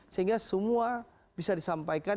sehingga semua bisa disampaikan